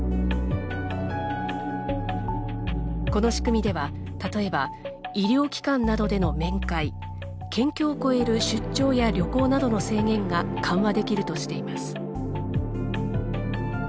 この仕組みでは例えば医療機関などでの面会県境を越える出張や旅行などの制限が緩和できるとしています。